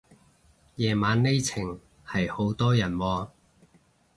夜晚呢程係好多人喎